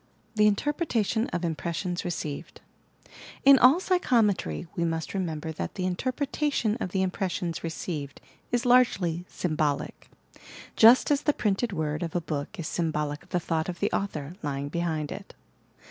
THE INTERPRETATION OP IMPRESSIONS RECEIVED In all psychometry we must remember that the in terpretation of the impressions received is largely sym bolic, — just as the printed word of a book is symbolic of the thought of the author, lying behind it.